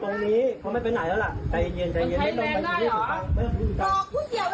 เป็นที่ให้รู้จักตอนไหนเวลาเดือดร้อน